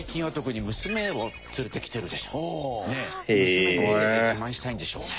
娘に見せて自慢したいんでしょうね。